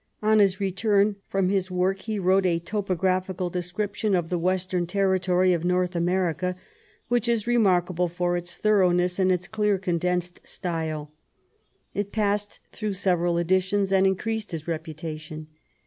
On his return from this work he wrote A Topographical Description of the Western Territory of North America^ which is remarkable for its thorough ness and its clear, condensed style. It passed through several editions and increased his reputation.